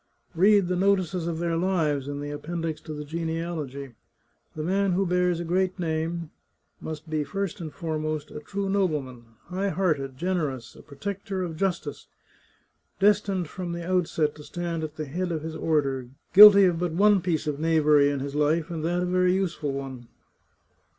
Read the notices of their lives in the Appendix to the Genealogy. The man who bears a great name must be first and foremost a true nobleman, high hearted, generous, a protector of justice, destined from the outset to stand at the head of his order, guilty of but one piece of knavery in his life, and that a very useful one."